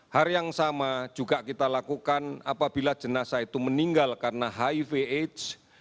hari yang sama juga kita lakukan apabila jenazah itu meninggal karena hiv aids